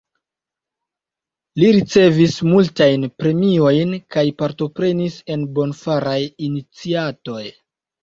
Li ricevis multajn premiojn kaj partoprenis en bonfaraj iniciatoj.